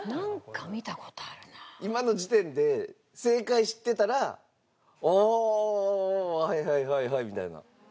今の時点で正解してたら「おお！はいはいはいはい」みたいな。